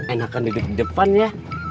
enakan duduk di depan ya